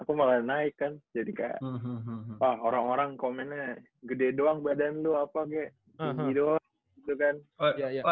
aku malah naik kan jadi kayak orang orang komennya gede doang badan lu apa kayak tinggi doang gitu kan